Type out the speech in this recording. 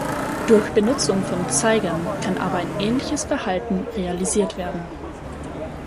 Durch Benutzung von Zeigern kann aber ein ähnliches Verhalten realisiert werden.